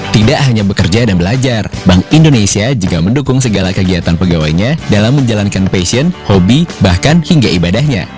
tidak hanya bekerja dan belajar bank indonesia juga mendukung segala kegiatan pegawainya dalam menjalankan passion hobi bahkan hingga ibadahnya